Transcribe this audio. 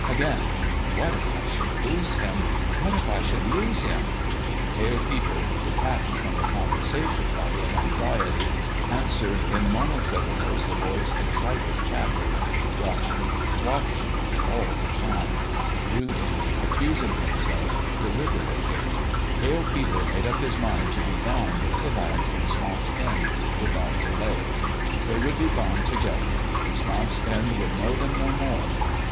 Again : What if I should lose him ? What if I should lose him ? Pale Peter, detached from the conversation by his anxiety answering in monosyllables the boy's excited chatter watch ing, watching, all the time brooding, accusing himself, deliberating Pale Peter made up his mind to be gone with the lad from Swamp's End without delay. They would be gone together. Swamp's End would know them no more.